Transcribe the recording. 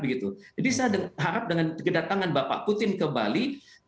jadi saya harap dengan kedatangan bapak putin ke bali